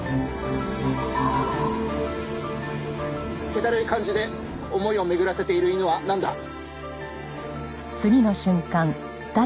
気だるい感じで思いを巡らせている犬はなんだ？えっ？